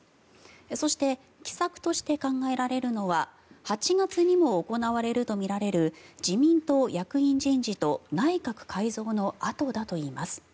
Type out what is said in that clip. そして、奇策として考えられるのは８月にも行われるとみられる自民党役員人事と内閣改造のあとだといいます。